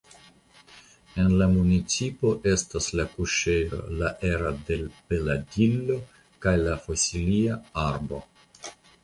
En la municipo estas la kuŝejo "La era del Peladillo" kaj fosilia arbo.